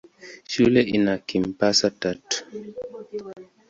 Shule ina kampasi tatu.